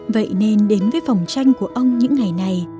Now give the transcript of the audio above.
vậy nên đến với phòng tranh của ông những ngày này